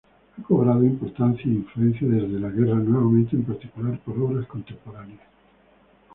Ha cobrado importancia e influencia desde la guerra nuevamente, en particular por obras contemporáneas.